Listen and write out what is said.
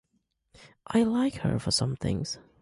I like her for some things.